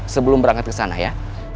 sebelum berangkat kesana ya